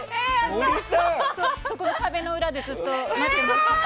そこの壁の裏でずっと待ってました。